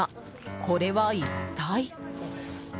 これは一体？